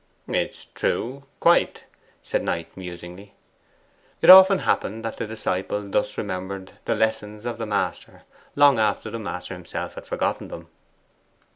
'It is true, quite,' said Knight musingly. It often happened that the disciple thus remembered the lessons of the master long after the master himself had forgotten them.